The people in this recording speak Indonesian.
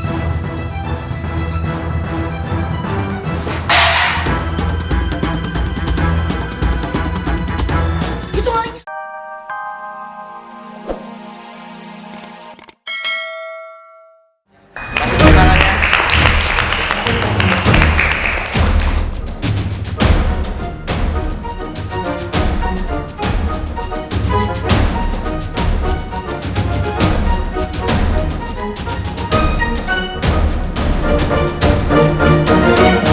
kayak gitu doang maka kecil